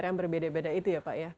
yang berbeda beda itu ya pak ya